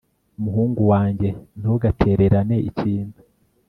muhungu wanjye, ntugatererane ikintu